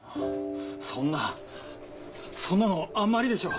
そんなそんなのあんまりでしょう。